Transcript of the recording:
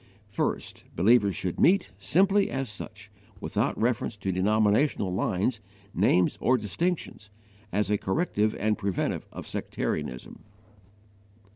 1. Believers should meet, simply as such, without reference to denominational lines, names, or distinctions, as a corrective and preventive of sectarianism.